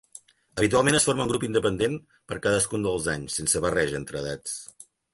Habitualment es forma un grup independent per a cadascun dels anys, sense barreja entre edats.